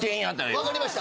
わかりました。